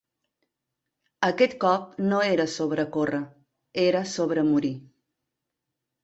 Aquest cop no era sobre córrer, era sobre morir.